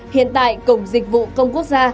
hiện tại cổng dịch vụ công quốc gia